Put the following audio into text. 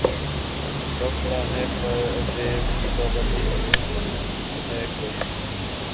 کف اُڑانے پہ بھی پابندی نہیں ہے کوئی